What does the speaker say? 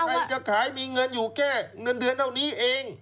ใครจะขายมีเงินอยู่แค่เงินเดือนเท่านี้เอง